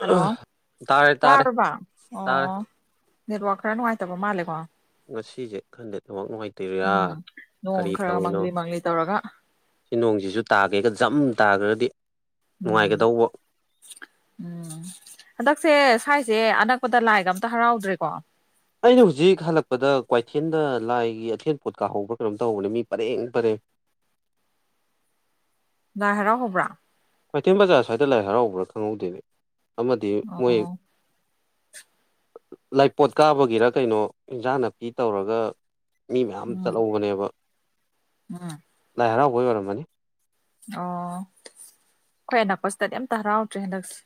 hello ꯇꯥꯔꯦ ꯇꯥꯔꯦ ꯇꯥꯔꯕ ꯇꯥꯔꯦ ꯑꯣ ꯅꯦꯠꯋꯥꯛ ꯈꯔ ꯅꯨꯡꯉꯥꯏꯇꯕ ꯃꯥꯜꯂꯦꯀꯣ ꯃꯁꯤꯁꯦ ꯈꯟꯗꯦ ꯑꯗꯨꯃꯛ ꯅꯨꯡꯉꯥꯏꯇꯣꯏꯔꯤꯔꯥ ꯎꯝ ꯅꯣꯡ ꯀꯔꯤ ꯈꯔ ꯇꯧꯏꯤꯅꯣ ꯃꯪꯂꯤ ꯃꯪꯂꯤ ꯇꯧꯔꯒ ꯁꯤ ꯅꯣꯡꯁꯤꯁꯨ ꯇꯥꯒꯦꯒ ꯖꯝ ꯇꯥꯈ꯭ꯔꯗꯤ ꯎꯝ ꯅꯨꯡꯉꯥꯏꯒꯗꯧꯕ ꯎꯝ ꯍꯗꯛꯁꯦ ꯁꯥꯏꯁꯦ ꯑꯅꯛꯄꯗ ꯂꯥꯏꯒ ꯑꯝꯇ ꯍꯔꯥꯎꯗ꯭ꯔꯦꯀꯣ ꯑꯩꯅ ꯍꯧꯖꯤꯛ ꯍꯜꯂꯛꯄꯗ ꯀ꯭ꯋꯥꯏꯊꯦꯜꯗ ꯂꯥꯏꯒꯤ ꯑꯊꯦꯟ ꯄꯣꯠ ꯀꯥꯍꯧꯕ꯭ꯔꯥ ꯀꯩꯅꯣꯝ ꯇꯧꯕꯅꯦ ꯃꯤ ꯄꯔꯦꯡ ꯄꯔꯦꯡ [inaudible] ꯍꯦꯔ ꯈꯕ꯭ꯔꯥ ꯈ꯭ꯋꯥꯏꯊꯦꯝ ꯕꯖꯥꯔ ꯁ꯭ꯋꯥꯏꯗ ꯂꯥꯏ ꯍꯔꯥꯎꯕ꯭ꯔꯥ ꯈꯪꯍꯧꯗꯦ ꯑꯃꯗꯤ ꯃꯣꯏ ꯑꯣ ꯂꯥꯏꯄꯣꯠ ꯀꯥꯕꯒꯤꯔ ꯀꯩꯅꯣ ꯏꯟꯁꯥꯡ ꯅꯥꯄꯤ ꯇꯧꯔꯒ ꯃꯤ ꯃꯌꯥꯝ ꯎꯝ ꯆꯠꯍꯧꯕꯅꯦꯕ ꯎꯝ ꯑꯣꯏ ꯑꯣꯏꯔꯝꯃꯅꯤ ꯑꯣ ꯑꯩꯣꯏ ꯑꯅꯛꯄꯁꯤꯗꯗꯤ ꯑꯝꯇ ꯍꯔꯥꯎꯗ꯭ꯔꯦ ꯍꯟꯗꯛꯁꯦ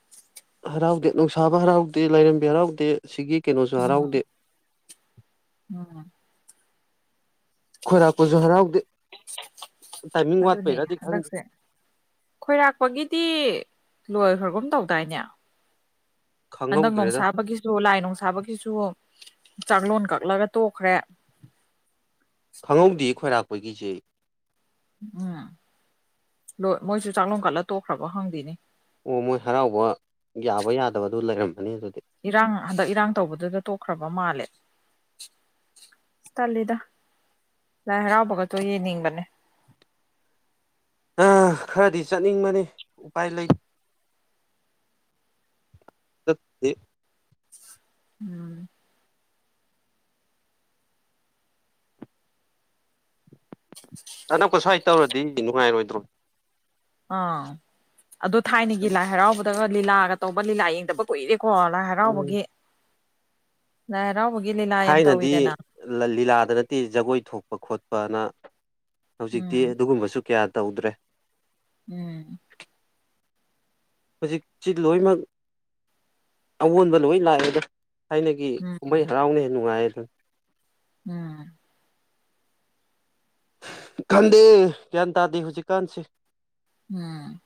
ꯍꯔꯥꯎꯗꯦ ꯅꯨꯡꯁꯥꯕ ꯍꯔꯥꯎꯗꯦ ꯂꯥꯏꯔꯦꯝꯕꯤ ꯍꯔꯥꯎꯗꯦ ꯁꯤꯒꯤ ꯀꯩꯅꯣꯁꯨ ꯎꯝ ꯍꯔꯥꯎꯗꯦ ꯎꯝ ꯈꯔꯥꯛꯄꯁꯨ ꯍꯔꯥꯎꯗꯦ ꯇꯥꯏꯃꯤꯡ ꯑꯗꯨꯅꯦ ꯋꯥꯠꯄꯩꯔꯗꯤ ꯈꯪꯗꯦ ꯍꯟꯗꯛꯁꯦ ꯈꯣꯏꯔꯥꯛꯄꯒꯤꯗꯤ ꯂꯣꯏꯈ꯭ꯔꯒꯨꯝ ꯇꯧꯗꯥꯏꯅꯦ ꯍꯟꯗꯛ ꯈꯪꯍꯧꯗ꯭ꯔꯦꯗ ꯅꯨꯡꯁꯥꯕꯒꯤꯁꯨ ꯂꯥꯏ ꯅꯨꯡꯁꯥꯕꯒꯤꯁꯨ ꯆꯥꯛꯂꯣꯟ ꯀꯛꯂꯒ ꯇꯣꯛꯈ꯭ꯔꯦ ꯈꯪꯍꯧꯗꯦ ꯈꯣꯏꯔꯥꯛꯄꯒꯤꯁꯦ ꯎꯝ ꯂꯣꯏ ꯃꯣꯏꯁꯨ ꯆꯥꯛꯂꯣ ꯀꯠꯂ ꯇꯣꯛꯈ꯭ꯔꯕꯣ ꯍꯪꯗꯣꯏꯅꯤ ꯑꯣ ꯃꯣꯏ ꯍꯔꯥꯎꯕ ꯌꯥꯕ ꯌꯥꯗꯕꯗꯨ ꯂꯩꯔꯝꯕꯅꯦ ꯑꯗꯨ ꯏꯔꯥꯡ ꯍꯟꯗꯛ ꯏꯔꯥꯡ ꯇꯧꯕꯗꯨꯗ ꯇꯣꯛꯈ꯭ꯔꯕ ꯃꯥꯜꯂꯦ ꯇꯜꯂꯤꯗ ꯂꯥꯏ ꯍꯔꯥꯎꯕꯒꯇꯣ ꯌꯦꯡꯅꯤꯡꯕꯅꯦ [inaudible] ꯑ ꯈꯔꯗꯤ ꯆꯠꯅꯤꯡꯕꯅꯤ ꯎꯄꯥꯏ ꯂꯩ ꯇꯠ ꯎꯝ ꯑꯅꯛꯄ ꯁ꯭ꯋꯥꯏ ꯇꯧꯔꯗꯤ ꯅꯨꯡꯉꯥꯏꯔꯣꯏꯗ꯭ꯔꯣ ꯑꯥ ꯑꯗꯨ ꯊꯥꯏꯅꯒꯤ ꯂꯥꯏ ꯍꯔꯥꯎꯕꯗꯒ ꯂꯤꯂꯥꯒ ꯇꯧꯕ ꯂꯤꯂꯥ ꯌꯦꯡꯗꯕ ꯀꯨꯏꯔꯦ ꯀꯣ ꯂꯥꯏ ꯎꯝ ꯍꯔꯥꯎꯕꯒꯤ ꯍꯔꯥꯎꯕꯒꯤ ꯂꯤꯂꯥ ꯌꯥꯝ ꯊꯥꯏꯅꯗꯤ ꯇꯧꯋꯤꯗꯅ ꯂꯤꯂꯥꯗ ꯅꯠꯇꯦ ꯖꯒꯣꯏ ꯊꯣꯛꯄ ꯈꯣꯠꯄꯅ ꯎꯝ ꯍꯧꯖꯤꯛꯇꯤ ꯑꯗꯨꯒꯨꯝꯕꯁꯨ ꯀꯌꯥ ꯇꯧꯗ꯭ꯔꯦ ꯎꯝ ꯍꯧꯖꯤꯛꯁꯤ ꯂꯣꯏꯅꯃꯛ ꯑꯑꯣꯟꯕ ꯂꯣꯏ ꯂꯥꯛꯑꯦꯗꯣ ꯊꯥꯏꯅꯒꯤ ꯎꯝ ꯀꯨꯝꯍꯩ ꯍꯔꯥꯎꯅ ꯍꯦꯟꯅ ꯅꯨꯡꯉꯥꯏꯌꯦ ꯑꯗꯨꯝ ꯎꯝ ꯈꯟꯗꯦ ꯒ꯭ꯌꯥꯟ ꯇꯥꯗꯦ ꯍꯧꯖꯤꯛꯀꯥꯟꯁꯤ ꯎꯝ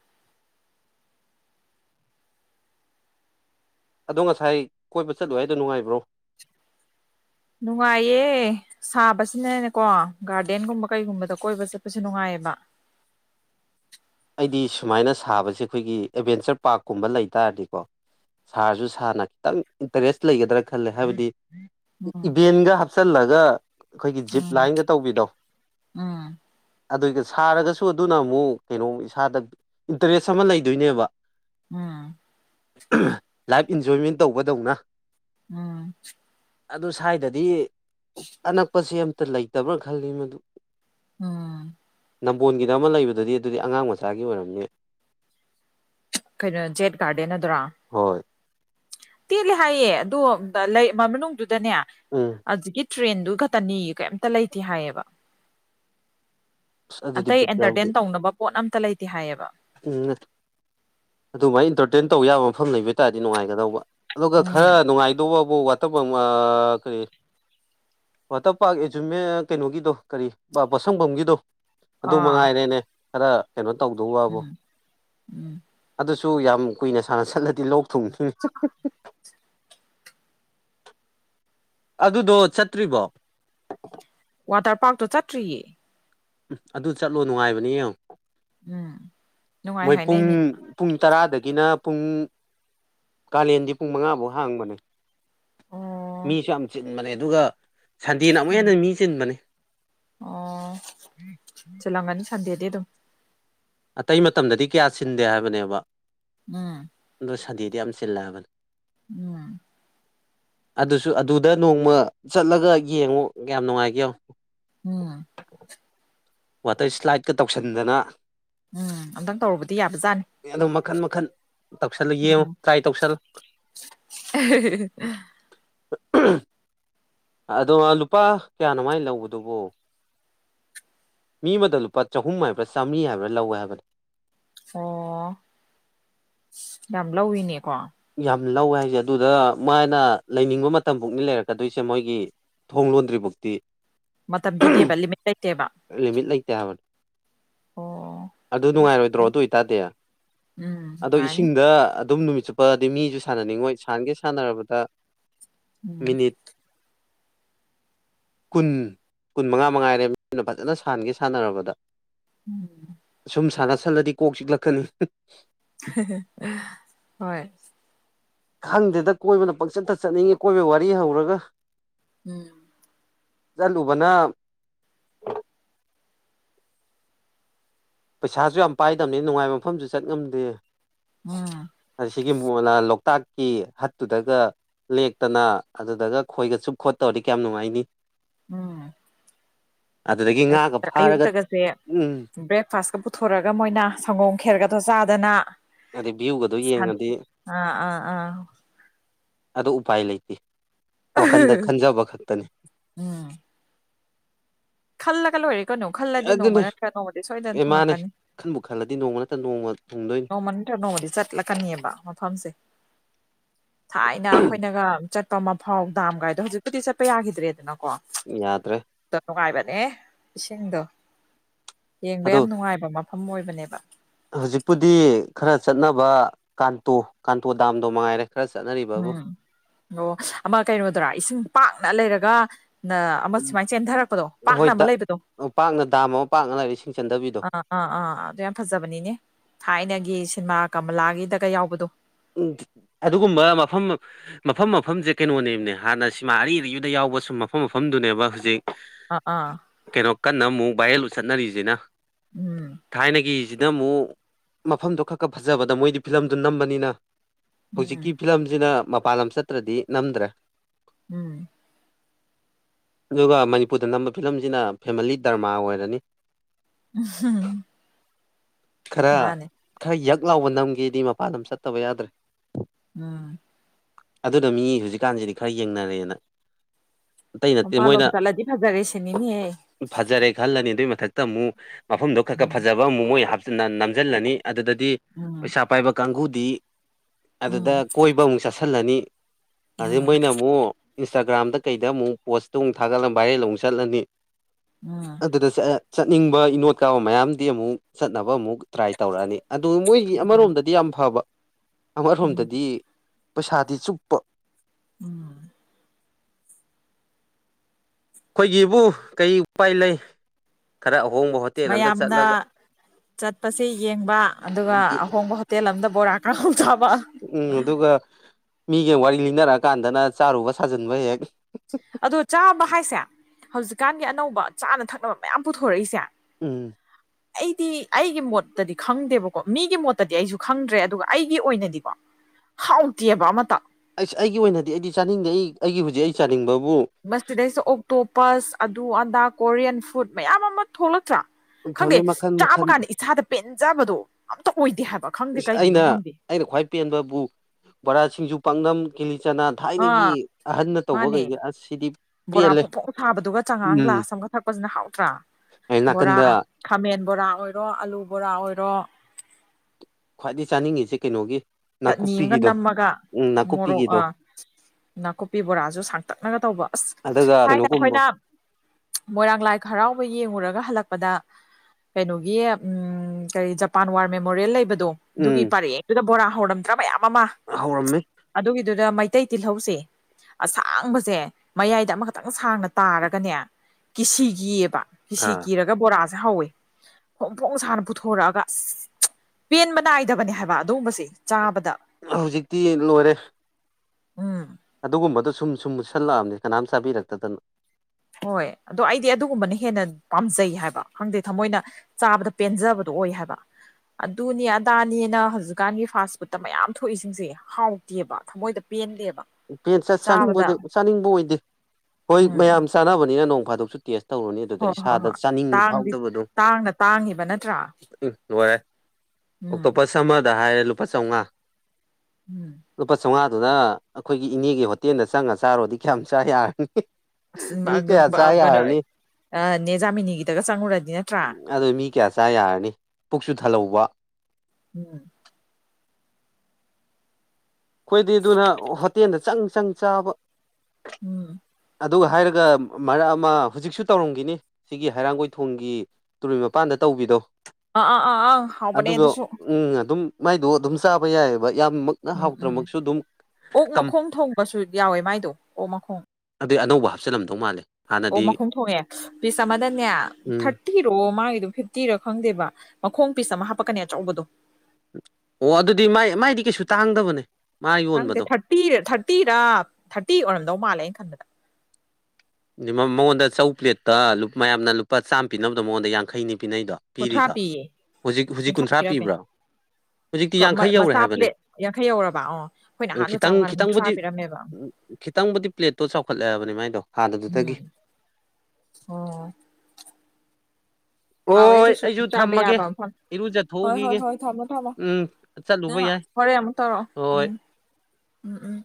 ꯑꯗꯣ ꯉꯁꯥꯏ ꯀꯣꯏꯕ ꯆꯠꯂꯨꯏ ꯍꯥꯏꯗꯣ ꯅꯨꯡꯉꯥꯏꯕ꯭ꯔꯣ ꯅꯨꯡꯉꯥꯏꯌꯦ ꯁꯥꯕꯁꯤꯅꯅꯦꯀꯣ ꯒꯥꯔꯗꯦꯟꯒꯨꯝꯕ ꯀꯩꯒꯨꯝꯕꯗ ꯀꯣꯏꯕ ꯆꯠꯄꯁꯦ ꯅꯨꯡꯉꯥꯏꯌꯦ ꯕ [unintelligible] ꯍꯥꯏꯗꯤ ꯁꯨꯃꯥꯏꯅ ꯁꯥꯕꯁꯦ ꯑꯩꯈꯣꯏꯒꯤ ꯑꯦꯗꯚꯦꯟꯆꯔ ꯄꯥꯔꯛꯀꯨꯝꯕ ꯂꯩꯇꯥꯔꯗꯤꯀꯣ ꯁꯥꯔꯁꯨ ꯁꯥꯔꯅ ꯈꯤꯇꯪ ꯏꯟꯇꯔꯦꯁ ꯂꯩꯒꯗ꯭ꯔꯥ ꯈꯜꯂꯦ ꯍꯥꯏꯕꯗꯤ ꯎꯝ ꯏꯚꯦꯟꯒ ꯍꯥꯞꯆꯤꯜꯂꯒ ꯑꯩꯈꯣꯏꯒꯤ ꯖꯤꯞ ꯎꯝ ꯂꯥꯏꯟꯒ ꯇꯧꯕꯤꯗꯣ ꯎꯝ ꯑꯗꯨꯏꯒ ꯁꯥꯔꯒꯁꯨ ꯑꯗꯨꯅ ꯑꯃꯨꯛ ꯀꯩꯅꯣ ꯏꯁꯥꯗ ꯏꯟꯇꯥꯔꯦꯁ ꯑꯃ ꯂꯩꯗꯣꯏꯅꯦꯕ ꯎꯝ ꯂꯥꯏꯐ ꯑꯦꯟꯖꯣꯏꯃꯦꯟ ꯇꯧꯕꯗꯧꯅ ꯎꯝ ꯑꯗꯣ ꯁ꯭ꯋꯥꯏꯗꯗꯤ ꯑꯅꯛꯄꯥꯁꯦ ꯑꯝꯇ ꯂꯩꯇꯕ꯭ꯔꯥ ꯈꯜꯂꯤ ꯃꯗꯨ ꯎꯝ ꯅꯝꯕꯣꯜꯒꯤꯗ ꯑꯃ ꯂꯩꯕꯗꯨꯗꯤ ꯑꯗꯨꯗꯤ ꯑꯉꯥꯡ ꯃꯆꯥꯒꯤ ꯑꯣꯏꯔꯝꯅꯤ ꯀꯩꯅꯣ ꯖꯦꯠ ꯒꯥꯔꯗꯦꯟ ꯑꯗꯨꯔꯣ ꯍꯣꯏ ꯇꯦꯜꯂꯦ ꯍꯥꯏꯌꯦ ꯑꯗꯣ ꯂꯩ ꯃꯅꯨꯡꯗꯨꯗꯅꯦ ꯎꯝ ꯍꯧꯖꯛꯀꯤ ꯇ꯭ꯔꯦꯟꯗꯨ ꯈꯛꯇꯥꯅꯦꯌꯦ ꯀꯩꯝꯇ ꯂꯩꯇꯦ ꯍꯥꯏꯌꯦꯕ ꯑꯁ ꯑꯗꯨꯗꯤ ꯑꯇꯩ ꯕꯤꯠ ꯌꯥꯎꯗꯦ ꯑꯦꯟꯇꯔꯇꯦꯟ ꯇꯧꯅꯕ ꯄꯣꯠ ꯑꯝꯇ ꯂꯩꯇꯦ ꯍꯥꯏꯌꯦꯕ ꯎꯝ ꯑꯗꯨꯃꯥꯏꯅ ꯏꯟꯇꯔꯇꯦꯟ ꯇꯧꯕ ꯌꯥꯕ ꯃꯐꯝ ꯂꯩꯕ ꯇꯥꯔꯗꯤ ꯅꯨꯡꯉꯥꯏꯒꯗꯧꯕ ꯑꯗꯨꯒ ꯎꯝ ꯈꯔ ꯅꯨꯡꯉꯥꯏꯗꯧꯕꯕꯨ ꯋꯥꯠꯇꯔ‌ꯄꯥꯛ‌ꯀꯔꯤ ꯋꯥꯇꯔ ꯄꯥꯔꯛ ꯑꯦꯆꯤꯞꯃꯦꯟ ꯀꯩꯅꯣꯒꯤꯗꯣ ꯀꯔꯤ ꯄꯣꯠꯁꯪꯕꯝꯒꯤꯗꯣ ꯑꯗꯨꯃꯛ ꯑꯥ ꯉꯥꯏꯔꯦꯅꯦ ꯈꯔ ꯀꯩꯅꯣ ꯇꯧꯗꯧꯕꯥꯕꯨ ꯎꯝ ꯎꯝ [unintelligible] ꯑꯗꯨꯁꯨ ꯌꯥꯝ ꯀꯨꯏꯅ ꯁꯥꯟꯅ ꯁꯜꯂꯗꯤ ꯂꯣꯛ ꯊꯨꯡꯗꯨꯏꯅꯤ ꯑꯗꯨꯗꯣ ꯆꯠꯇ꯭ꯔꯤꯕꯣ ꯋꯥꯇꯔ ꯄꯥꯛꯇꯣ ꯆꯠꯇ꯭ꯔꯤꯌꯦ ꯎꯝ ꯑꯗꯨ ꯆꯠꯂꯣ ꯅꯨꯡꯉꯥꯏꯕꯅꯦ ꯌꯦꯡꯉꯣ ꯎꯝ ꯅꯨꯡꯉꯥꯏ ꯃꯣꯏ ꯍꯥꯏꯅꯩ ꯄꯨꯡ ꯃꯤꯅ ꯄꯨꯡ ꯇꯔꯥꯗꯒꯤ ꯒꯤꯅ ꯄꯨꯡ ꯀꯥꯂꯦꯟꯗꯤ ꯄꯨꯡ ꯃꯉꯥꯐꯧ ꯍꯥꯡꯕꯅꯦ ꯑꯣ ꯃꯤꯁꯨ ꯌꯥꯝ ꯆꯤꯟꯕꯅꯦ ꯑꯗꯨꯒ ꯁꯟꯗꯦꯅ ꯑꯃꯨꯛ ꯍꯦꯟꯅ ꯃꯤ ꯆꯤꯟꯕꯅꯦ ꯑꯣ ꯆꯤꯜꯂꯝꯒꯅꯤ ꯁꯟꯗꯦꯗꯤ ꯑꯗꯨꯝ ꯑꯇꯩ ꯃꯇꯝꯗꯗꯤ ꯀꯌꯥ ꯆꯤꯟꯗꯦ ꯍꯥꯏꯕꯅꯦꯕ ꯎꯝ ꯑꯗꯣ ꯁꯟꯗꯦꯗꯤ ꯌꯥꯝ ꯆꯤꯜꯂꯦ ꯍꯥꯏꯕꯅꯦ ꯎꯝ [unintelligible] ꯑꯗꯨꯁꯨ ꯑꯗꯨꯗ ꯅꯣꯡꯃ ꯆꯠꯂꯒ ꯌꯦꯡꯉꯣ ꯀꯌꯥꯝ ꯅꯨꯡꯉꯥꯏꯒꯦ ꯌꯦꯡꯉꯣ ꯎꯝ ꯋꯥꯇꯔ ꯁ꯭ꯂꯥꯏꯠꯀ ꯇꯧꯁꯟꯗꯅ ꯎꯝ ꯑꯝꯇꯪ ꯇꯧꯔꯨꯕꯗꯤ ꯌꯥꯕꯖꯥꯠꯅꯤ ꯇꯧꯁꯜꯂꯣ ꯌꯦꯡꯉꯣ ꯎꯝ ꯇ꯭ꯔꯥꯏ ꯇꯧꯁꯜꯂꯣ ꯑꯗꯣ ꯂꯨꯄꯥ ꯀꯌꯥꯅꯣ ꯃꯥꯏ ꯂꯧꯕꯗꯨꯕꯣ ꯃꯤ ꯑꯃꯗ ꯂꯨꯄꯥ ꯆꯥꯍꯨꯝ ꯍꯥꯏꯕ꯭ꯔꯥ ꯆꯥꯝꯃꯔꯤ ꯍꯥꯏꯕ꯭ꯔꯥ ꯂꯧꯋꯦ ꯍꯥꯏꯕꯅꯦ ꯑꯣ ꯌꯥꯝ ꯂꯧꯋꯤꯅꯦꯀꯣ ꯌꯥꯝ ꯂꯧꯋꯦ ꯍꯥꯏꯁꯦ ꯑꯗꯨꯗ ꯃꯥꯅ ꯂꯩꯅꯤꯡꯕ ꯃꯇꯝ ꯕꯨꯛꯅꯤ ꯂꯩꯔꯛꯀꯗꯣꯏꯁꯦ ꯃꯣꯏꯒꯤ ꯊꯣꯡ ꯂꯣꯟꯗ꯭ꯔꯤ ꯕꯨꯛꯇꯤ ꯃꯇꯝ ꯄꯤꯗꯦꯕ ꯂꯤꯃꯤꯠ ꯂꯩꯇꯦꯕ ꯂꯤꯃꯤꯠ ꯂꯩꯇꯦ ꯍꯥꯏꯕꯅꯦ ꯑꯣ ꯑꯗꯨ ꯑꯗꯨꯁꯨ ꯅꯨꯡꯉꯥꯏꯔꯣꯏꯗ꯭ꯔꯣ ꯐꯩ ꯑꯗꯨ ꯑꯣꯏ ꯇꯥꯗꯤ ꯎꯝ ꯑꯗꯣ ꯅꯨꯡꯉꯥꯏꯅꯤ ꯏꯁꯤꯡꯗ ꯑꯗꯨꯝ ꯅꯨꯃꯤꯠ ꯄꯗꯤ ꯃꯤꯁꯨ ꯁꯥꯟꯅꯅꯤꯡꯉꯣꯏ ꯁꯥꯟꯒꯦ ꯁꯥꯟꯅꯔꯕꯗ ꯎꯝ ꯃꯤꯅꯤꯠ ꯀꯨꯟ ꯀꯨꯟ ꯃꯉꯥ ꯃꯉꯥꯏꯔꯦ ꯃꯤꯅ ꯐꯖꯅ ꯁꯥꯟꯒꯦ ꯁꯥꯟꯅꯔꯕꯗ [unintelligible] ꯁꯜꯂꯗꯤ ꯀꯣꯛ ꯆꯤꯛꯂꯛꯀꯅꯤ ꯍꯣꯏ ꯈꯪꯗꯦꯗ ꯀꯣꯏꯕꯅ ꯄꯪꯆꯠꯇ ꯆꯠꯅꯤꯡꯉꯤ ꯀꯣꯏꯕ ꯋꯥꯔꯤ ꯍꯧꯔꯒ ꯎꯝ ꯆꯠꯂꯨꯕꯅ ꯄꯩꯁꯥꯁꯨ ꯌꯥꯝ ꯄꯥꯏꯗꯕꯅꯤ ꯅꯨꯡꯉꯥꯏꯕ ꯃꯐꯝꯁꯨ ꯆꯠꯉꯝꯗꯦ ꯎꯝ ꯑ ꯁꯤꯒꯤ ꯂꯣꯛꯇꯥꯛ ꯀꯤ ꯍꯠꯇꯨꯗꯒ ꯂꯦꯛꯇꯅ ꯑꯗꯨꯗꯒ ꯈꯣꯏꯒ ꯆꯨꯨꯞ ꯈꯣꯠꯇꯧꯔꯗꯤ ꯀꯌꯥꯝ ꯅꯨꯡꯉꯥꯏꯅꯤ ꯎꯝ ꯑꯗꯨꯗꯒꯤ ꯉꯥꯒ ꯐꯥꯔꯒ ꯑꯌꯨꯛꯇꯒꯁꯦ ꯎꯝ ꯕ꯭ꯔꯦꯛꯐꯥꯁꯀ ꯊꯣꯔꯒ ꯃꯣꯏꯅ ꯁꯪꯒꯣꯝ ꯈꯦꯔꯒꯗꯣ ꯆꯥꯗꯅ ꯑꯗꯩ ꯚ꯭ꯌꯨꯒꯗꯣ ꯌꯦꯡꯉꯗꯤ ꯑꯥ ꯑꯥ ꯑꯥ ꯑꯗꯣ ꯎꯄꯥꯏ ꯂꯩꯇꯦ ꯋꯥꯈꯟꯗ ꯈꯟꯖꯕ ꯈꯛꯇꯅꯤ ꯎꯝ ꯈꯜꯂꯒ ꯂꯣꯏꯔꯦ ꯀꯩꯅꯣ ꯈꯜꯂꯗꯤ ꯅꯣꯡꯃ ꯑꯗꯨꯅꯤ ꯅꯠꯇ꯭ꯔ ꯅꯣꯡꯃꯗꯤ ꯁꯣꯏꯗꯅ ꯑꯦ ꯃꯥꯅꯦ ꯊꯨꯡꯉꯛꯀꯅꯤ ꯈꯟꯕꯨ ꯈꯜꯂꯗꯤ ꯅꯣꯡꯃ ꯅꯠꯇ ꯅꯣꯡꯃ ꯊꯨꯡꯗꯣꯏꯅꯤ ꯅꯣꯡꯃ ꯅꯠꯇꯔ ꯅꯣꯡꯃꯗꯤ ꯆꯠꯂꯛꯀꯅꯤꯑꯕ ꯃꯐꯝꯁꯦ ꯊꯥꯏꯅ ꯑꯩꯈꯣꯏꯅꯒ ꯆꯠꯄ ꯃꯐꯥꯎ ꯗꯥꯝꯒꯥꯏꯗꯣ ꯍꯧꯖꯤꯛꯄꯨꯗꯤ ꯆꯠꯄ ꯌꯥꯈꯤꯗ꯭ꯔꯦꯗꯅ ꯀꯣ ꯌꯥꯗ꯭ꯔꯦ ꯑꯗ ꯅꯨꯡꯉꯥꯏꯕꯅꯦ ꯏꯁꯤꯡꯗꯣ ꯌꯦꯡꯕ ꯑꯗꯣ ꯌꯥꯝ ꯅꯨꯡꯉꯥꯏꯕ ꯃꯐꯝ ꯑꯣꯏꯕꯅꯦꯕ ꯍꯧꯖꯤꯛꯄꯨꯗꯤ ꯈꯔ ꯆꯠꯅꯕ ꯀꯥꯟꯇꯣ ꯀꯥꯟꯇꯣ ꯗꯥꯝꯗꯣ ꯃꯉꯥꯏꯔꯦ ꯈꯔ ꯆꯠꯅꯔꯤꯕꯕꯨ ꯎꯝ ꯑꯣ ꯑꯃ ꯀꯩꯅꯣꯗꯔꯥ ꯏꯁꯤꯡ ꯄꯥꯛꯅ ꯂꯩꯔꯒ ꯅ ꯑꯃ ꯁꯨꯃꯥꯏꯅ ꯆꯦꯟꯊꯔꯛꯄꯗꯣ ꯄꯥꯛꯅ ꯍꯣꯏ ꯗ ꯑꯃ ꯂꯩꯕꯗꯣ ꯄꯥꯛꯅ ꯗꯥꯝ ꯑꯃ ꯄꯥꯛꯅ ꯂꯩꯔꯦ ꯏꯁꯤꯡ ꯆꯟꯗꯕꯤꯗꯣ ꯑꯥ ꯑꯥ ꯑꯥ ꯑꯗꯨ ꯌꯥꯝ ꯐꯖꯕꯅꯤꯅꯦ ꯊꯥꯏꯅꯒꯤ ꯁꯤꯟꯃꯥ ꯀꯃꯂꯥꯒꯤꯗꯒ ꯌꯥꯎꯕꯗꯣ ꯎꯝ ꯑꯗꯨꯒꯨꯝꯕ ꯃꯐꯝ ꯃꯐꯝ ꯃꯐꯝꯁꯦ ꯀꯩꯅꯣꯅꯦꯕꯅꯦ ꯍꯥꯟꯅ ꯁꯤꯃꯥ ꯑꯔꯤ ꯑꯔꯤꯗ ꯌꯥꯎꯕ ꯁꯨꯝ ꯃꯐꯝ ꯃꯐꯝ ꯗꯨꯅꯦꯕ ꯍꯧꯖꯤꯛ ꯑꯥ ꯑꯥ ꯀꯩꯅꯣ ꯀꯟꯅ ꯑꯃꯨꯛ ꯚꯥꯏꯌꯦꯜꯂ ꯆꯠꯅꯔꯤꯁꯤꯅ ꯎꯝ ꯊꯥꯏꯅꯒꯤꯁꯤ ꯁꯤꯅ ꯑꯃꯨꯛ ꯃꯐꯝꯗꯣ ꯈꯔ ꯈ ꯐꯖꯕꯗ ꯃꯣꯏꯗꯤ ꯐꯤꯂꯝꯗꯨ ꯅꯝꯕꯅꯤꯅ ꯍꯧꯖꯤꯛꯀꯤ ꯎꯝ ꯐꯤꯂꯝꯁꯤꯅ ꯃꯄꯥꯟ ꯂꯝ ꯆꯠꯇ꯭ꯔꯗꯤ ꯅꯝꯗ꯭ꯔꯦ ꯎꯝ ꯑꯗꯨꯒ ꯃꯅꯤꯄꯨꯔꯗ ꯅꯝꯕ ꯐꯤꯂꯝꯁꯤꯅ ꯐꯦꯃꯤꯂꯤ ꯗꯔꯃꯥ ꯑꯣꯏꯔꯅꯤ ꯎ [unintelligible] ꯈꯔ ꯈꯔ ꯌꯛ ꯂꯥꯎꯕ ꯅꯝꯒꯦꯗꯤ ꯃꯄꯥꯟ ꯑꯃ ꯆꯠꯇꯕ ꯌꯥꯗ꯭ꯔꯦ ꯎꯝ ꯑꯗꯨꯅ ꯃꯤ ꯍꯧꯖꯤꯛꯀꯥꯟꯁꯤꯗꯤ ꯈꯔ ꯌꯦꯡꯅꯔꯦꯅ ꯑꯇꯩ ꯅꯠꯇꯦ ꯃꯄꯥꯟꯂꯣꯝ ꯃꯣꯏꯅ ꯆꯠꯂꯗꯤ ꯐꯖꯔꯦꯁꯤꯅꯤꯅꯦꯍꯦ ꯐꯖꯔꯦ ꯈꯜꯂꯅꯤ ꯑꯗꯨꯏꯒꯤ ꯃꯊꯛꯇ ꯑꯃꯨꯛ ꯃꯐꯝꯗꯣ ꯈꯔ ꯈꯒ ꯎꯝ ꯐꯖꯕ ꯑꯃꯨꯛ ꯃꯣꯏ ꯍꯥꯞ ꯅꯝꯁꯤꯜꯂꯅꯤ ꯑꯗꯨꯗꯗꯤ ꯎꯝ ꯄꯩꯁꯥ ꯄꯥꯏꯕ ꯀꯥꯡꯕꯨꯗꯤ ꯎꯝ ꯑꯗꯨꯗ ꯀꯣꯏꯕ ꯑꯃꯨꯛ ꯆꯥꯁꯤꯜꯂꯅꯤ ꯑꯗꯩ ꯎꯝ ꯃꯣꯏꯅ ꯑꯃꯨꯛ ꯏꯟꯁꯇꯥꯒ꯭ꯔꯥꯝꯗ ꯀꯩꯗ ꯑꯃꯨꯛ ꯄꯣꯁꯇꯨ ꯑꯃꯨꯛ ꯊꯥꯒꯠꯂ ꯚꯥꯏꯔꯦꯜ ꯑꯃꯨꯛ ꯆꯠꯂꯅꯤ ꯎꯝ ꯑꯗꯨꯗ ꯆꯠꯅꯤꯡꯕ ꯏꯅꯣꯠ ꯀꯥꯕ ꯃꯌꯥꯝꯗꯤ ꯑꯃꯨꯛ ꯆꯠꯅꯕ ꯑꯃꯨꯛ ꯇ꯭ꯔꯥꯏ ꯇꯧꯔꯛꯑꯅꯤ ꯑꯗꯨ ꯃꯣꯏꯒꯤ ꯑꯃꯔꯣꯝꯗꯗꯤ ꯌꯥꯝ ꯐꯕ ꯑꯃꯔꯣꯝꯗꯗꯤ ꯄꯩꯁꯥꯗꯤ ꯆꯨꯞꯄ [inaudible] ꯑꯩꯈꯣꯏꯒꯤꯕꯨ ꯀꯔꯤ ꯎꯄꯥꯏ ꯂꯩ ꯈꯔ ꯑꯍꯣꯡꯕ ꯍꯣꯇꯦꯜ ꯑꯝꯇ ꯆꯠꯂꯒ ꯆꯠꯄꯁꯦ ꯌꯦꯡꯕ ꯑꯗꯨꯒ ꯑꯍꯣꯡꯕ ꯍꯣꯇꯦꯜ ꯑꯃꯝꯗ ꯕꯣꯔꯥ ꯀꯔꯥꯎ ꯆꯥꯕ ꯎꯝ ꯑꯗꯨꯒ ꯃꯤꯒ ꯋꯥꯔꯤ ꯂꯤꯅꯔꯛꯀꯥꯟꯗꯅ ꯆꯥꯔꯨꯕ ꯁꯥꯖꯟꯕ ꯍꯦꯛ ꯑꯗꯣ ꯆꯥꯕ ꯍꯥꯏꯁꯦ ꯍꯧꯖꯤꯛꯀꯥꯟꯒꯤ ꯑꯅꯧꯕ ꯆꯥꯅ ꯊꯛꯅꯕ ꯃꯌꯥꯝ ꯄꯨꯊꯣꯔꯛꯏꯁꯦ ꯎꯝ ꯑꯩꯗꯤ ꯑꯩꯒꯤ ꯃꯣꯠꯇꯗꯤ ꯈꯪꯗꯦꯕꯀꯣ ꯃꯤꯒꯤ ꯃꯣꯠꯇꯗꯤ ꯑꯩꯁꯨ ꯈꯪꯗ꯭ꯔꯦ ꯑꯗꯨꯒ ꯑꯩꯒꯤ ꯑꯣꯏꯅꯗꯤꯀꯣ ꯍꯥꯎꯇꯤꯕ ꯑꯃꯇ ꯑꯩꯁ ꯑꯩꯒꯤ ꯑꯣꯏꯅꯗꯤ ꯑꯩꯗꯤ ꯆꯥꯅꯤꯡꯗꯦ ꯑꯩ ꯑꯩꯒꯤ ꯍꯧꯖꯤꯛ ꯑꯩ ꯆꯥꯅꯤꯡꯕ ꯃꯁꯤꯗꯩꯁꯤ ꯑꯣꯛꯇꯣ ꯄꯁ ꯑꯗꯨ ꯑꯟꯗꯥ ꯀꯣꯔꯤꯌꯟ ꯐꯨꯗ ꯃꯌꯥꯝ ꯑꯃ ꯊꯣꯛꯂꯛꯇ꯭ꯔꯥ ꯈꯪꯗꯦ ꯊꯣꯂꯛ ꯃꯈꯜ ꯆꯥꯕ ꯃꯈꯜ ꯀꯥꯟꯗ ꯏꯁꯥꯗ ꯄꯦꯟꯖꯕꯗꯣ ꯑꯝꯇ ꯑꯣꯏꯗꯦ ꯍꯥꯏꯕ ꯈꯪꯗꯦ ꯀꯩꯒꯤꯅꯣ ꯑꯩꯅ ꯈꯪꯗꯦ ꯑꯩꯅ ꯈ꯭ꯋꯥꯏ ꯄꯦꯟꯕꯕꯨ ꯕꯣꯔꯥ ꯁꯤꯡꯖꯨ ꯄꯥꯛꯅꯝ ꯆꯅꯥ ꯊꯥꯏꯅꯒꯤ ꯑꯥ ꯑꯍꯟꯅ ꯃꯥꯅꯦ ꯇꯧꯕꯈꯩꯁꯦ ꯑꯁ ꯁꯤꯗꯤ ꯕꯣꯔꯥ ꯄꯦꯜꯂꯦ ꯐꯣꯡꯐꯣꯡ ꯁꯥꯕꯗꯨꯒ ꯆꯉꯥꯡ ꯎꯝ [unintelligible] ꯑꯩ [unintelligible] ꯕꯣꯔꯥ ꯅꯥꯀꯟꯗ ꯑꯣꯏꯔꯣ ꯑꯥꯂꯨ ꯕꯣꯔꯥ ꯑꯣꯏꯔꯣ ꯈ꯭ꯋꯥꯏꯗꯒꯤ ꯆꯥꯅꯤꯡꯉꯤꯁꯦ ꯀꯩꯅꯣꯒꯤ ꯆꯠꯅꯤ ꯑꯃꯒ ꯅꯥꯀꯨꯞꯄꯤꯒꯤꯗꯣ ꯅꯝꯃꯒ ꯎꯝ ꯃꯣꯔꯣꯛ ꯅꯥꯀꯨꯞꯄꯤꯒꯤꯗꯣ ꯑ ꯅꯥꯀꯨꯞꯄꯤ ꯕꯣꯔꯥꯁꯨ ꯁꯥꯡꯇꯛꯅꯒ ꯇꯧꯕ ꯑꯁ ꯑꯗꯨꯒ ꯊꯥꯏꯅ ꯀꯩꯅꯣꯒꯨꯝꯕ ꯑꯩꯈꯣꯏꯅ ꯃꯣꯏꯔꯥꯡ ꯂꯥꯏ ꯍꯔꯥꯎꯕ ꯌꯦꯡꯉꯨꯔꯒ [unintelligible] ꯑꯗꯨꯒꯤ ꯎꯝ ꯄꯔꯑꯦ ꯑꯗꯨꯗ ꯕꯣꯔꯥ ꯍꯧꯔꯝꯗ꯭ꯔꯥ ꯃꯌꯥꯝ ꯑꯃ ꯍꯧꯔꯝꯃꯤ ꯑꯗꯨꯒꯤ ꯃꯇꯩ ꯇꯤꯜꯍꯧꯁꯦ ꯑꯁꯥꯡꯕꯁꯦ ꯃꯌꯥꯏꯗ ꯑꯃꯈꯛꯇꯪ ꯁꯥꯡꯅ ꯇꯥꯔꯒꯅꯦ ꯀꯤꯁꯤꯒꯤꯑꯕ ꯍꯤꯁꯤ ꯑꯥ ꯀꯤꯔꯒ ꯕꯣꯔꯥꯁꯦ ꯍꯧꯋꯤ ꯈꯣꯡ ꯐꯣꯡ ꯁꯥꯥꯅ ꯄꯨꯊꯣꯔꯛꯑꯒ ꯄꯦꯟꯕ ꯅꯥꯏꯗꯕꯅꯦ ꯍꯥꯏꯕ ꯑꯗꯨꯒꯨꯝꯕꯁꯦ ꯆꯥꯕꯗ ꯍꯧꯖꯤꯛꯇꯤ ꯂꯣꯏꯔꯦ ꯎꯝ ꯑꯗꯨꯒꯨꯝꯕꯗꯣ ꯁꯨꯝ ꯁꯨꯝ ꯃꯨꯠꯁꯜꯂꯛꯑꯕꯅꯦ ꯀꯅꯥꯝ ꯆꯥꯕꯤꯔꯛꯇꯗꯅꯣ ꯍꯣꯏ ꯑꯗꯣ ꯑꯩꯗꯤ ꯑꯗꯨꯒꯨꯝꯕꯅ ꯍꯦꯟꯅ ꯄꯥꯝꯖꯩ ꯍꯥꯏꯕ ꯈꯪꯗꯦ ꯊꯃꯣꯏꯅ ꯆꯥꯕꯗ ꯄꯦꯟꯖꯕꯗꯣ ꯑꯣꯏ ꯍꯥꯏꯕ ꯑꯗꯨꯅꯦ ꯑꯗꯥꯅꯦꯅ ꯍꯧꯖꯤꯛꯀꯥꯟꯒꯤ ꯐꯥꯁ ꯐꯨꯗꯠꯇ ꯃꯌꯥꯝ ꯊꯣꯛꯏꯁꯤꯡꯁꯦ ꯍꯥꯎꯇꯦꯕ ꯊꯃꯣꯏꯗ ꯄꯦꯟꯗꯦꯕ ꯄꯦꯟ ꯆꯠ ꯆꯥꯕꯗ ꯆꯥꯅꯤꯡꯕꯗꯨ ꯆꯥꯅꯤꯡꯕ ꯑꯣꯏꯗꯦ ꯍꯣꯏ ꯎꯝ ꯃꯌꯥꯝ ꯆꯥꯅꯕꯅꯤꯅ ꯅꯣꯡ ꯐꯥꯗꯣꯛꯁꯨ ꯇꯧꯔꯅꯤ ꯑꯗꯨꯗ ꯍꯣꯏ ꯍꯣꯏ ꯏꯁꯥꯗ ꯍꯣꯏ ꯆꯥꯅꯤꯡꯕ ꯇꯥꯡꯗꯤ ꯐꯥꯎꯗꯕ ꯑꯗꯨꯝ ꯇꯥꯡꯅ ꯇꯥꯡꯉꯤꯕ ꯅꯠꯇ꯭ꯔꯥ ꯂꯣꯏꯔꯦ ꯎꯝ ꯑꯣꯛꯇꯣꯄꯁꯃꯗ ꯍꯥꯏꯔꯦ ꯂꯨꯄꯥ ꯆꯥꯝꯃꯉꯥ ꯎꯝ ꯂꯨꯄꯥ ꯆꯥꯝꯃꯉꯥꯗꯨꯅ ꯑꯩꯈꯣꯏꯒꯤ ꯏꯅꯦꯒꯤ ꯍꯣꯇꯦꯜꯗ ꯆꯪꯉ ꯆꯥꯔꯨꯔꯗꯤ ꯀꯌꯥꯝ ꯆꯥ ꯌꯥꯔꯅꯤ ꯃꯤ ꯑꯁ ꯀ ꯌꯥ ꯆꯥꯏ ꯀꯩꯅꯣ ꯍꯥꯏꯔꯅꯤ ꯅꯦ ꯖꯥꯃꯤꯅꯤꯒꯤꯗꯒ ꯆꯪꯉꯨꯔꯗꯤ ꯅꯠꯇ꯭ꯔꯥ ꯎꯝ ꯑꯗꯨ ꯃꯤ ꯀꯌꯥ ꯆꯥ ꯌꯥꯔꯅꯤ ꯄꯨꯛꯁꯨ ꯊꯜꯍꯧꯕ ꯎꯝ ꯑꯩꯈꯣꯏꯗꯤ ꯑꯗꯨꯅ ꯍꯣꯇꯦꯜꯗ ꯆꯪ ꯆꯪ ꯆꯥꯕ ꯎꯝ ꯑꯗꯨꯒ ꯍꯥꯏꯔꯒ ꯃꯔꯛ ꯑꯃ ꯍꯧꯖꯤꯛꯁꯨ ꯇꯧꯔꯝꯈꯤꯅꯤ ꯁꯤꯒꯤ ꯍꯩꯔꯥꯡꯒꯣꯏ ꯊꯣꯡꯒꯤ ꯇꯨꯔꯦꯜ ꯃꯄꯥꯟꯗ ꯇꯧ ꯇꯧꯕꯤꯗꯣ ꯑꯥ ꯑꯥ ꯑꯥ ꯑꯥ ꯍꯥꯎꯕꯅꯦ ꯑꯗꯨꯗꯣ ꯑꯗꯨꯁꯨ ꯎꯝ ꯑꯗꯨꯝ ꯃꯥꯏꯗꯣ ꯑꯗꯨꯝ ꯆꯥꯕ ꯌꯥꯏꯑꯕ ꯎꯝ ꯌꯥꯝꯃꯛꯅꯥꯎ ꯎꯝ ꯇꯃꯛꯁꯨ ꯑꯗꯨꯝ ꯑꯣꯛ ꯀꯝ ꯃꯈꯣꯡ ꯊꯣꯡꯕꯁꯨ ꯌꯥꯎꯋꯦ ꯃꯥꯏꯗꯣ ꯑꯣꯛ ꯃꯈꯣꯡ ꯑꯗꯨꯗꯩ ꯑꯅꯧꯕ ꯍꯥꯞꯆꯜꯂꯝꯗꯧ ꯃꯥꯂꯦ ꯑꯣ ꯃꯈꯨꯝ ꯊꯣꯡꯉꯦ ꯄꯤꯁ ꯑꯃꯗꯅꯦ ꯎꯝ ꯊꯥꯔꯇꯤꯔꯣꯑꯣ ꯃꯥꯥꯡ ꯑꯗꯨ ꯐꯤꯐꯇꯤꯔ ꯈꯪꯗꯦꯕ ꯃꯈꯣꯡ ꯄꯤꯁ ꯑꯃ ꯍꯥꯞꯄꯛꯀꯅꯤ ꯑꯆꯧꯕꯗꯣ ꯑꯣ ꯑꯗꯨꯗꯤ ꯃꯥꯏ ꯃꯥꯏꯗꯤ ꯀꯩꯁꯨ ꯇꯥꯡꯗꯕꯅꯦ ꯃꯥ ꯈꯪꯗꯦ ꯌꯣꯟꯕꯗꯣ ꯊꯥꯔꯇꯤꯔ ꯊꯥꯔꯇꯤꯔꯥ ꯊꯥꯔꯇꯤ ꯑꯣꯏꯔꯝꯗꯧ ꯃꯥꯜꯂꯦ ꯑꯅ ꯈꯟꯕꯗ ꯃꯉꯣꯟꯗ ꯆꯧ ꯄ꯭ꯂꯦꯠꯇ ꯃꯌꯥꯝꯅ ꯂꯨꯄꯥ ꯆꯥꯝꯃ ꯄꯤꯅꯕꯗ ꯃꯉꯣꯟꯗ ꯌꯥꯡꯈꯩꯅꯤ ꯄꯤꯅꯩꯗꯣ ꯀꯨꯟꯊ꯭ꯔꯥ ꯄꯤꯔꯤꯗꯑꯣ ꯄꯤꯌꯦ ꯍꯧꯖꯤꯛ ꯍꯧꯖꯤꯛ ꯀꯨꯟꯊ꯭ꯔꯥ ꯄꯤꯕ꯭ꯔꯥ ꯍꯧꯖꯤꯛꯇꯤ ꯀ ꯌꯥꯡꯈꯩ ꯌꯧꯔꯦ ꯃꯆꯥ ꯍꯥꯏꯕꯅꯦ ꯄ꯭ꯂꯦꯠ ꯌꯥꯡꯈꯩ ꯌꯧꯔꯕ ꯑꯣ ꯑꯩꯈꯣꯏꯅ ꯎꯝ ꯑꯍꯥꯟ ꯃꯆꯥꯃ ꯈꯤꯇꯪ ꯀꯥꯟ ꯈꯤꯇꯪꯕꯨꯗꯤ ꯀꯨꯟꯊ꯭ꯔꯥ ꯄꯤꯔꯝꯃꯦꯕ ꯎꯝ ꯈꯤꯇꯪꯕꯨꯗꯤ ꯄ꯭ꯂꯦꯠꯇꯣ ꯆꯥꯎꯈꯠꯂꯛꯑꯕꯅꯦ ꯃꯥꯏꯗꯣ ꯎꯝ ꯍꯥꯟꯅꯗꯨꯗꯒꯤ ꯑꯣ ꯍꯥꯎ ꯍꯣꯏ ꯑꯗꯣꯏꯁꯨ ꯑꯩꯁꯨ ꯆꯥꯕ ꯊꯝꯃꯒꯦ ꯌꯥꯕ ꯃꯐꯝꯅꯤ ꯍꯣꯏ ꯍꯣꯏ ꯏꯔꯨꯖꯊꯣꯛꯎꯈꯤꯒꯦ ꯍꯣꯏ ꯊꯝꯃꯣ ꯊꯝꯃꯣ ꯎꯝ ꯆꯠꯂꯨꯕ ꯌꯥꯏ ꯍꯣꯔꯦ ꯑꯃꯨꯛ ꯇꯧꯔꯛꯑꯣ ꯍꯣꯏ ꯎꯝ ꯎꯝ ꯎꯝ